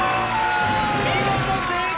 見事正解！